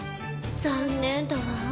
残念だわ。